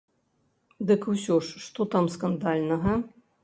Дык усё ж, што там скандальнага?